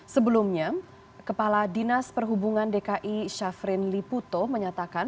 sebelumnya kepala dinas perhubungan dki syafrin liputo menyatakan